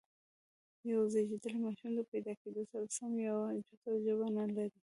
یو زېږيدلی ماشوم د پیدا کېدو سره سم یوه جوته ژبه نه لري.